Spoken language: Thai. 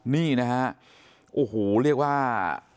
นี่นะฮะโอ้โหเรียกว่า